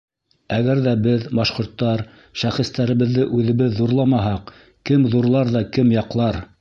Әгәр ҙә беҙ, башҡорттар, шәхестәребеҙҙе үҙебеҙ ҙурламаһаҡ, кем ҙурлар ҙа кем яҡлар?!